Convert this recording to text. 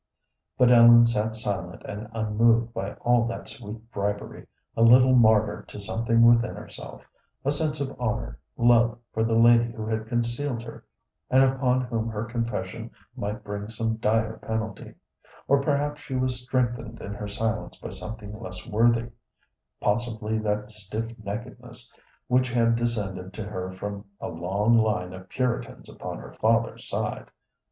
But Ellen sat silent and unmoved by all that sweet bribery, a little martyr to something within herself; a sense of honor, love for the lady who had concealed her, and upon whom her confession might bring some dire penalty; or perhaps she was strengthened in her silence by something less worthy possibly that stiff neckedness which had descended to her from a long line of Puritans upon her father's side.